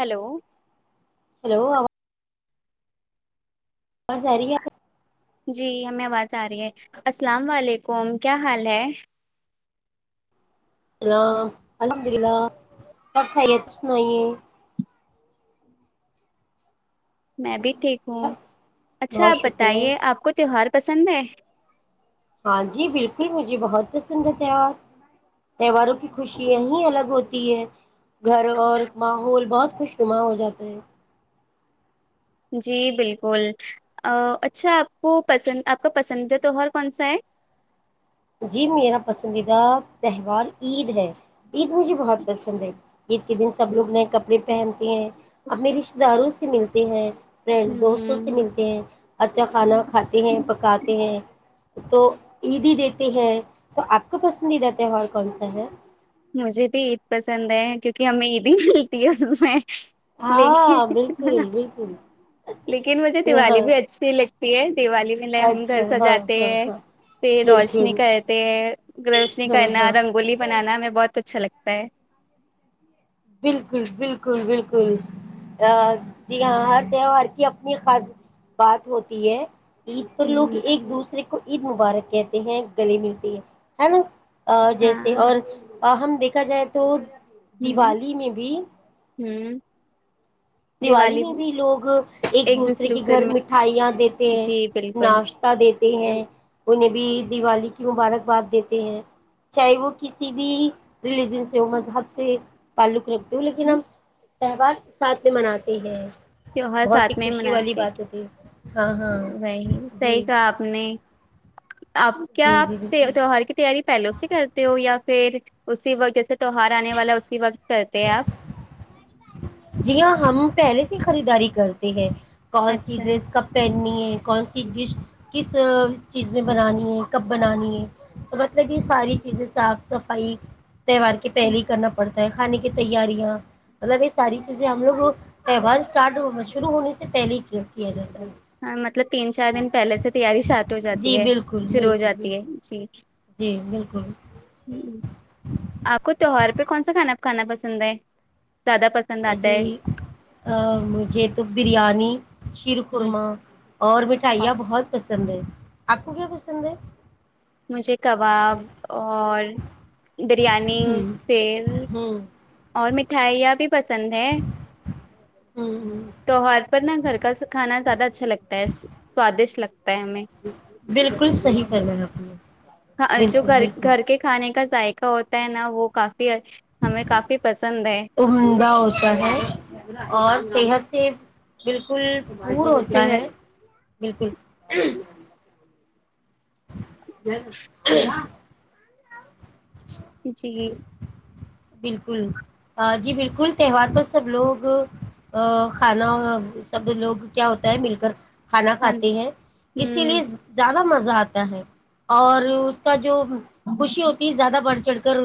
Hello hello بس اری ہے جی ہمیں آواز آ رہی ہے السلام وعلیکم کیا حال ہے ہیلو الحمد للہ سب کائیے کشنا آئیے میں بھی ٹھیک ہوں اچھا بہت آپ شکر ہے بتائیے آپ کو تیوہار پسند ہے ہاں جی بالکل مجھے بہت پسند ہے تہوار تہواروں کی خوشیا ہی الگ ہوتی ہے گھر اور ماحول بہت خوش نما ہو جاتا ہے جی بالکل اچھا آپ کو پسند آپ کا پسندیدہ تہوہار کون سا ہے جی میرا پسندیدہ تہوار عید ہے عید مجھے بہت پسند ہے عید کے دن سب لوگ نئے کپڑے پہنتے ہیں اپنے رشتے داروں سے ملتے ہیں فرینڈ دوستوں سے ہ ملتے ہیں اچھا کھانا کھاتے ہیں پکاتے ہیں تو عید ہی د ہے تو آپ کا پسندیدہ تہوار کون سا ہے مجھے بھی عید پسند ہے کیونکہ ہمیں عید ہی ملتی ہے اس میں ہاں لیکن بالکل بالکل لیکن مجھے دیوالی ہاں بھی اچھی لگ دتی ہے [unintelligible] دیوالی میں لے ہم گھر اچھا ہاں سجاتے ہاں ہیں ہاں پھر روشنی بالکل کرتے ہیں روشنی ہاں کرنا ہاں رنگولی بنانا ہمیں بہت اچھا لگتا پ [unintelligible] بالکل بالکل بالکل جی ہاں ہر تہوار کی اپنی خاص بات ہوتی ہے عید پر لوگ ہ ایک دوسرے کو عید مبارک کہتے ہیں گل ملتی ہے ہے نا جیسے ہاں اور ہم دیکھا جائے تو ہوں [inaudible] دیوالی بھی ہوں دیوالی میں بھی لوگ ایک دوسرے کے گھر مٹھائیاں دیتے ہیں جی بالکل ناشتہ دیتے ہیں انہیں بھی دیوالی کی مبارکباد دیتے ہیں چاہے وہ کسی بھی ریلیجن سے ہو مذہب سے تعلق رکھ تو لیکن ہوں، تہوار سات مناتے ہیں تیوہار ساتھ میں ہی خوشی والی مناتے بات ہوتی ہے ہاں ہاں وہی صحیح جی کہا آپ نے آپ کیا جی آپ جی بالکل تیوہار کی تیاری پہلے اس سے کرتے ہو یا پھر اسی و جیسے تو ہار آنے والا ہے اسی وقت کرتے ہیں آپ جی ہاں ہم پہلے سے خریداری کرتے ہیں کون سی اچھا ڈریس کب پہن کون سی ڈش کس چیز میں بنانی ہے کب بنانی ہے تو مطلب یہ ساری چیزیں صاف صفائی تہوار کے پہل ہی کرنا پڑتا کھانے کی تیاریاں مطلب اس ساری چیزیں ہم لوگ تہوار اسٹارٹ شروع ہونے سے پہلے ہی کیا جاتا ہے ہاں مطلب تین چار دن پہلے سے تیاری شارٹ ہو جاتی جی ہے بالکل شروع ہو بالکل جاتی ہے بالکل جی جی بالکل آپ کو تیوار پہ کون سا کھانا کانا پسند ہے زیادہ پسند آتا جی ہے مجھے تو بریانی شیر ہوں، خورما اور مٹھائیاں بہت پسند پسند ہے آک کو کیا پسند ہے مجھے کباب اور بریانی ہوں پیل ہوں اور مٹھائیاں بھی پسند ہیں ہوں ہ تہوار پر نا گھر کا کھانا زیادہ اچھا لگتا ہے سوادشٹ لگتا ہے بالکل صحیح کرنا ہے آپ نے بالکل بالکل ذائق ہوتا ہے نا وہ کا ہمیں کافی پسند ہے عمدہ ہوتا ہے اور سی ہ سے [inaudible] [unintelligible] بالکل دور ہوتا ہے صحت بالکل [inaudible] جی بالکل جی بالکل تہوار پر سب لوگ کھانا سب لوگ کیا ہوتا ہے مل کر کھانا کھان کھاتے ہیں اسلیے ہوں زیادہ مزہ مزہ آتا ہے اور اس کا جو [unintelligible] خوشی ہوتی ہے زیادہ بڑھ چڑھ کر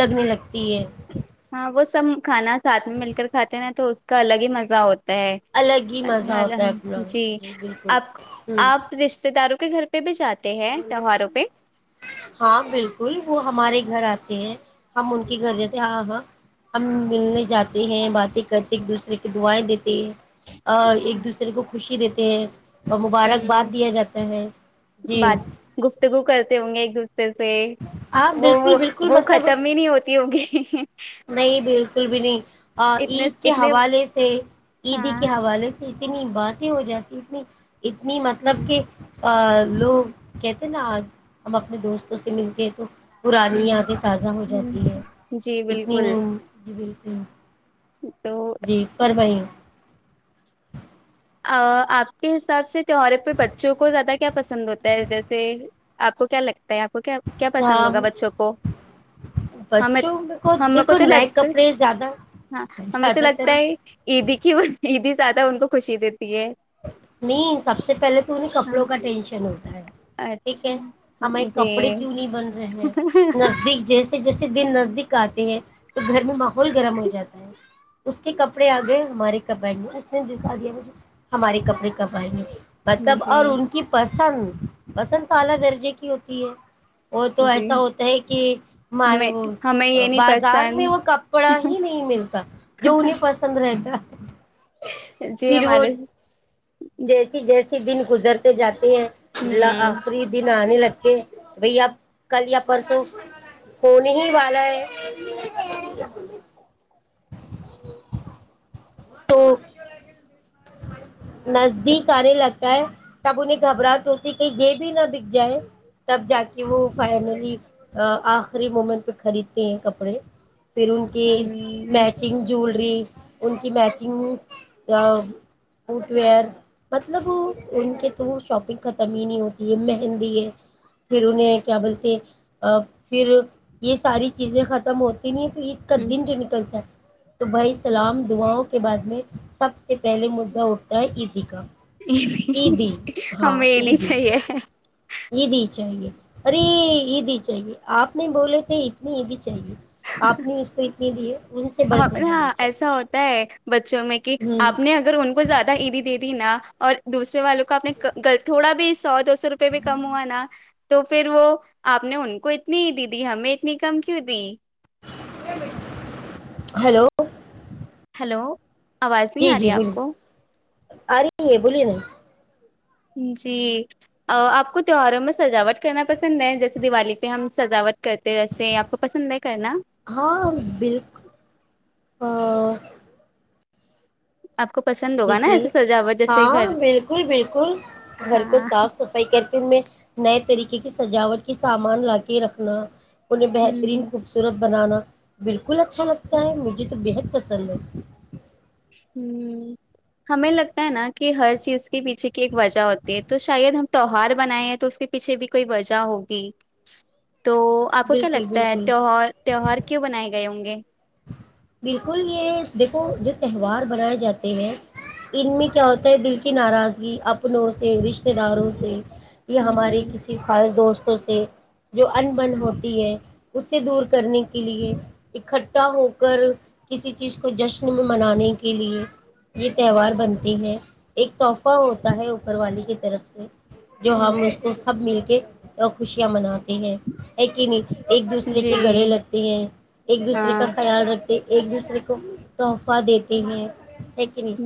لگنے لگتے تین [inaudible] [unintelligible] ہاں وہ سب کھانا ساتھ میں مل کر کھاتے ہیں نا تو اس کا الگ ہی مزہ ہوتا الگ ہی مزہ ہوتا ہوتا اپنا ہے جی بالکل آپ ہوں آپ رشتے داروں کے گھر پہ بھی جاتے ہیں تہواروں پہ ہاں بالکل وہ ہمارے گھر آتے ، ہیں ہم ان کے گھر جاتے ہاں ہاں ہم ملنے جاتے ہیں باتیں کرتے ایک دوسرے کو دعائیں دیتے ایک دوسرے کو خوشی دیتے ہیں اور ہ مبارکباد دیا جاتا ہے جی بات گفتگو کرتے ہونگے آپ وہ بالکل وہ بالکل وہ مطلب ختم ہی نہیں ہوتی ہوگی نہیں بالکل بالکل بھی نہیں اتنے عید کے اتنے حوالے سے عیدی کے ہاں حوالے سے اتنی باتیں ہو جاتی اتنی اتنی مطلب کہ لوگ کہتے ہیں نا ہم اپنے دوستوں سے ملتے ہیں تو پرانی ہوں یادیں تازہ ہو جاتی ہ ہیں جی اتنی بالکل ج [inaudible] [unintelligible] تین [inaudible] [unintelligible] [inaudible] تو جی فرمائیں آپ کے حساب سے تہواروں پہ بچوں کو زیادہ کیا پسند ہوتا ہے جیسے آپ کو کیا لگتا لگتا ہے آپ کو کیا کیا پسند ہاں ہوگا بچوں کو ہم بچوں کو دیکھو تو نئے لگتا ہے کپڑے زیادہ ہاں ہمیں تو زیادہ لگتا تر ہے عیدی کہ عیدی [unintelligible] زدہ [unintelligible] خوشی د [unintelligible] نہیں سب سے پہلے تو انہیں ہاں کپڑوں کا ٹینشن ہو ٹھیک اچھا ہے ہمے کپڑے جی کیوں نہیں بن رہے ہیں نزدیک جیسے جیسے دن نزدیک آتے ہیں تو گھر میں ماحول گرم ہو جاتا ہے اس کے کپڑے آگئے ہمارے کبگ میں اس نے دا دیا مجھ ہمارے کپڑے کب آئیں گے مطلب اور جی ان کی پرس پسند پہلے کرکے کی ہوتی ہے [unintelligible] وہ تو جی ایسا ہوتا ہے کہ ہمیں ہمیں یہ نہیں بازار میں پسند وہ کپڑا ہی نہیں ملتا جو انہیں پسند رہتا [inaudible] جی پھر وہ ہمارے جیسی جیسی دن گزرتے جاتے ل ہوں خریدی ن نہیں لگ بائی اب کل یا پرسوں فنے ہی والا ہے تو نزدیک آنے لگتا ہے تب انہیں گھبراہٹ ہوتی کہ یہ بھی نہ بک جائے تب جا کے وہ فائنلی آخری مومنٹ پہ خریدتے ہیں کپڑے پھر ان کی ہوں میچنگ جوول ی ان کی میچنگ فوٹ ویئر مطلب ان کے تو شاپنگ ختم ہی نہیں ہوتی ہے مہندی ہے پھر انہیں کیا بولتے پھر یہ ساری چیزیں ختم ہوتی ت تو اید کا ہوں۔ دن جو نکلتا ہے تو بھائی سلام دعاؤں کے بعد میں سب سے پہلے مجھ ھ اٹتا ہے یہیدقا نہیں ہمیں یہ بھی چاہیے ہے یہ دی چاہیے ارے یہ دی چاہیے آپ نہیں بولے تھے اتنی دی چاہیے آپ نے اس پہ کی لیے ہ ایسا ہوتا ہے بچوں میں کہ ہ آپ نے اگر ان کو زیادہ عیدی دے دی نہا اور دوسرے والوں کو آپ نے تھوڑا بھی سو دو سو روپئے بھی کم ہوا نا تو پھر وہ آپ نے ان کو اتنی دی دیی ہمیں اتنی کم کیوں دی ہیلو ہلو آواز نہیں جی آ جی رہی آپ بولیے کو آ رہ ہے بولیے نہیں جی آپ کو تیواروں میں سجاوٹ کرنا پسند ہے جیسے دیوالی پہ ہم سجاوٹ کرتے ویسے آپ کو پسند نہیں ہاں بالکل آپ کو پسند ہوگا نا دیکھیے ایسے سجاوٹ جیسے ہاں گھر بالکل بالکل گھر کو ہاں صاف صفائی کرتے ان میں نئے طریقے کی سجاوٹ کے سامان لا کے رکھنا انہیں بہترین ہوں خوبصورت بنانا بالکل اچھا لگتا ہے مجھے تو بےحد پسند ہے ہ ہمیں لگتا ہے نا کہ ہر چیز کے پیچھے کی ایک وجہ ہوتی ہے تو شاید ہم تہوار بنائے ہیں تو اس کے پیچھے بھی کوئی وجہ ہوگی تو آپ کو کیا بالکل لگتا ہے بالکل تیوار تیوہار کیوں بنائے گئے ہوں گے بالکل یہ دیکھو جو تہوار بنائے جاتے ہیں ان میں کیا ہوتا ہے دل کی ناراضگی اپنوں سے رشتے داروں سے یہ ہمارے کسی خاص دوست سے جو ان بن ہوتی ہے اس سے دور کرنے کے لیے اکٹھا چٹا ہو کر کسی چیز کو جشن میں منانے کے لیے یہ تہوار بنتے ہیں ایک تحفہ ہوتا ہے اوپر والی کی طرف سے جو ہم اس ہ کو سب مل کے تو خوشیاں مناتے ہیں کہ نہیں ایک دوسرے کے گلے جی لگتے ہیں ایک دوسرے ہاں کا تے ایک دوسرے کو تحفہ دیتے ہیں ہے کہ نہیں ہ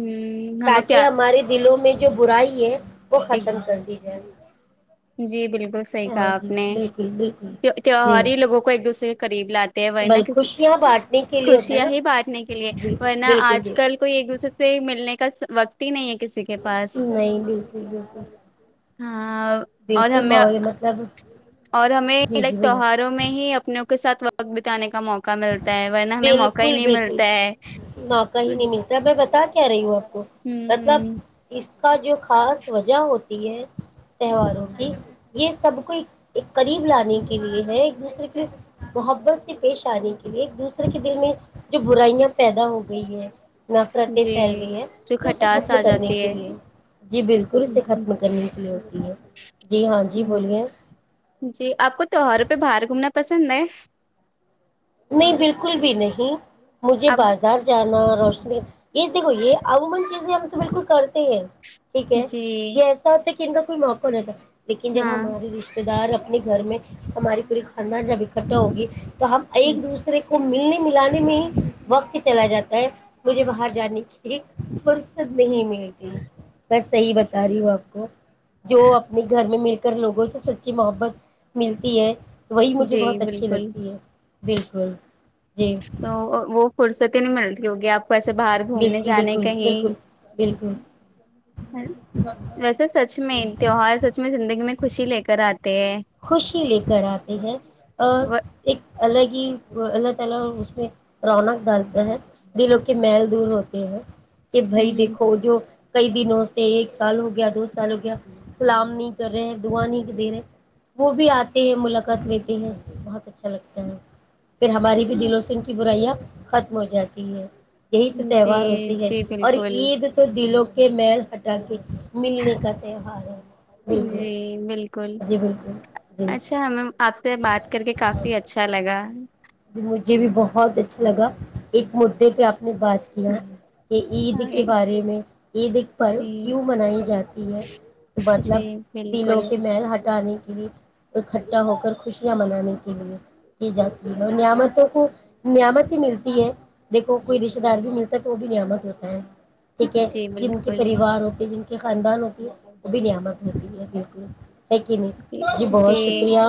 ہم لوگ تاکہ کیا ہمارے دلوں میں جو برائی ہے وہ ایک ختم کری ج [inaudible] جی بالکل صحیح کہا آپ نے بالکل بالکل جی تیوہار ہی لوگوں کو ایک دوسرے کے قریب لاتے ہیں وہی نہ بل کسی خوشیاں بانٹنے کے لیے ہوتا ہے خوشیاں نا ہی بانٹنے کے لیے بال ورنہ بالکل آج کل بالکل کوئی ایک دوسرے سے مل نے کا وقت ہی نہیں ہے کسی کے پاس نہیں بالکل بالکل بالکل ہاں اور بالکل ہمیں ما مطلب اور ہمیں جی لائک جی بولو تیواروں میں ہی اپنوں کے ساتھ وقت بتانے کا موقع مل بالکل بالکل موقع ہی نہیں ملتا میں ب کیا رہی ہوا مطلب ہ اس کا جو خاص وجہ ہوتی ہے تہواروں کی یہ سب کو ایک قریب لانے کے لیے ہے ایک دوسرے کے محبت سے پیش آنے کے لیے ایک دوسرے ر کے دل میں جو برائیاں پیدا ہو گئی ہے نفرتیں جی پھیل گئی ہے جو تو اسے کھٹاس ختم آ کرنے جاتی کے ہے لیے جی بالکل اسے ختم کرنے کے لیے ہوتی ہے جی ہاں جی بولیے جی آپ کو تیوہاروں پہ باہر گھومنا پسند ہے نہیں بالکل بھی نہیں مجھے آپ بازار جانا ہ ٹھیک ہے جی یہ ایسا ہوتا ہے کہ کن کا کوئی موق ہو رہے گا لیکن جب ہاں ہمارے رشتتے دار اپنے گھر میں ہماری پوری خاندان جب اکٹھا ہوگی تو ہم ایک دوسرے ملنے ملانے میں ہی وقت چلا جاتا ہے مجھے باہر جانے کی فرصت نہیں ملی بس صحیح بتا رہی ہوں آپ کو جو اپنے گھر میں مل کر لوگوں سے سچی محبت ملتی ہے وہی مجھے جی بہت اچھی بالکل لگتی ہے ویژول تو وہ پر س نہیں ملتی ہوگی آپ وسے باہر گھومنے بالکل جانے بالکل کہیں بالکل بالکل ویسے سچ میں تیوہار سچ میں زندگی میں خوشی لے کر آ خوشی لے کر آتے ہیں اور ہ ایک [unintelligible] کہ بھائی دیکھو جو کئی دنوں سے ایک سال ہو گیا دو سال ہو گیا سلام نہیں کر رہے دعا نہیں دے رہے وہ بھی آتے ہیں ملاقات لیتے ہیں بہت اچھا لگتا ہے پھر ہماری بھی دلوں سے ان کی برائیاں ختم ہو جاتی ہے یہی تو تہوار جی ہوتے ہے جی اور بالکل عید تو دلوں کے مل ہٹا کے ملنے کا تہوار ہے بالکل جی بالکل جی اچھام آپ سے بات کر کے کافی اچھا لگا ہاں مجھے بھی بہت اچھا لگا ایک مددے پہ آپ نے بات کیا کہ عید کے جی بارے میں عید پر کیوں منائی جاتی ہے مطلب جی دلوں بالکل کے محل ہٹانے اکٹھا ہو کر خوشیاں منانے کے لیے کی جاتی اور نعمتوں کو نعمت ہی ملتی ہے دیکھو کوئی رشتتے دار بھی ملتا ہے تو وہ بھی نعمت ہوتا ہے ٹھیک ہے جی جن کے بالکل پریوار ہوتے جن کے خاندان ہوتے وہ بھی نعمت ہوتی ہے بالکل ہے کہ نہیں جی بہت شکریہ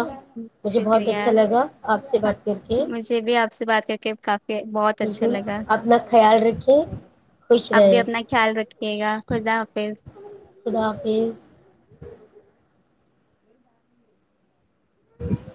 مجھے بہت شکریہ اچھا لگا آپ سے بات کر کے مجھے بھی آپ سے بات کر کے کافی بہت اچھا بالکل لگا اپنا خیال رکھیں خوش اپ بھی رہیں اپنا خیال رکھیے گا خدا حافظ خدافظ ہ